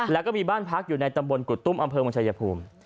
แล้วก็มีบ้านพักอยู่ในตำบลกุตุ้มอำเภอเมืองชายภูมิ